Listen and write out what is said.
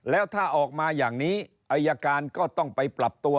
แล้วถ้าออกมาอย่างนี้อายการก็ต้องไปปรับตัว